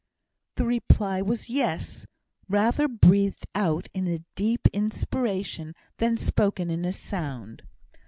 The reply was "Yes," rather breathed out in a deep inspiration than spoken in a sound.